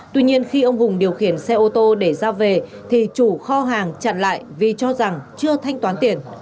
tuy nhiên khi ông hùng điều khiển xe ô tô để ra về thì chủ kho hàng chặn lại vì cho rằng chưa thanh toán tiền